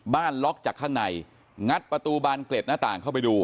ล็อกจากข้างในงัดประตูบานเกล็ดหน้าต่างเข้าไปดู